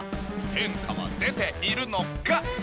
変化は出ているのか？